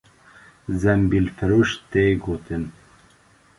Zembîlfiroş tê gotin